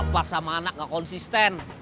ini bapak sama anak gak konsisten